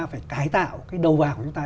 phải cải tạo cái đầu vào của chúng ta